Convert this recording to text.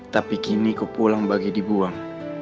tapi kini ke pulang bagi dibuang